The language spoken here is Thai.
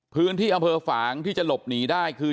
พื้นที่อำเภอฝางที่จะหลบหนีได้คือ